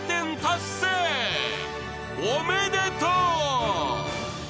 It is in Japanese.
［おめでとう］